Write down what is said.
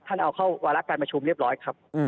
เอาเข้าวาระการประชุมเรียบร้อยครับ